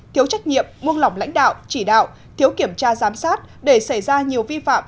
thiếu trách nhiệm buông lỏng lãnh đạo chỉ đạo thiếu kiểm tra giám sát để xảy ra nhiều vi phạm